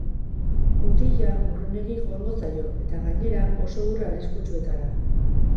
Mutila urrunegi joango zaio, eta, gainera, oso ur arriskutsuetara.